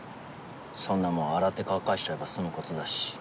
そんなもん洗って乾かしちゃえば済む事だし。